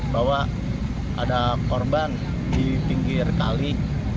bahwa ada korban di pinggir kali